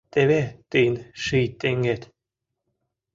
— Теве тыйын ший теҥгет!